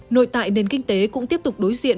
nội tại nền kinh tế cũng tiếp tục đối diện